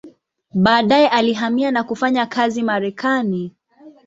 Baadaye alihamia na kufanya kazi Marekani.